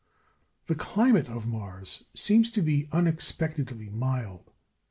The climate of Mars seems to be unexpectedly mild.